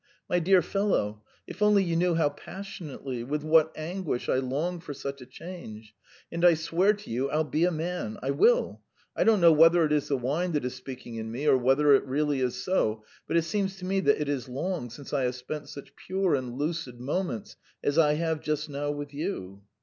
My dear fellow, if only you knew how passionately, with what anguish, I long for such a change. And I swear to you I'll be a man! I will! I don't know whether it is the wine that is speaking in me, or whether it really is so, but it seems to me that it is long since I have spent such pure and lucid moments as I have just now with you."